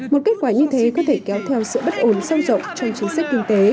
một kết quả như thế có thể kéo theo sự bất ổn sâu rộng trong chính sách kinh tế